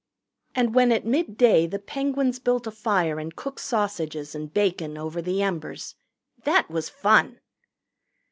And when at midday the Penguins built a fire and cooked sausages and bacon over the embers, that was fun.